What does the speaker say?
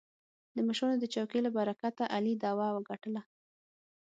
د مشرانو د چوکې له برکته علي دعوه وګټله.